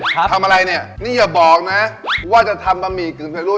ทำอะไรเนี่ยนี่อย่าบอกนะว่าจะทำบะหมี่กึ่งเสร็จลูก